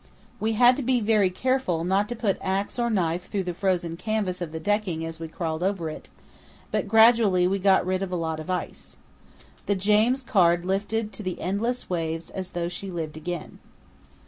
We had to be very careful not to put axe or knife through the frozen canvas of the decking as we crawled over it, but gradually we got rid of a lot of ice. The James Caird lifted to the endless waves as though she lived again.